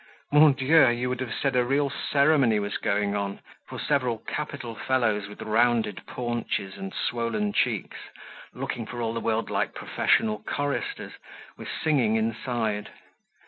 Mon Dieu! you would have said a real ceremony was going on, for several capital fellows, with rounded paunches and swollen cheeks, looking for all the world like professional choristers, were singing inside.